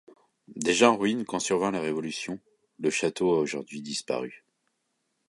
Déjà en ruine quand survint la Révolution, le château a aujourd'hui disparu.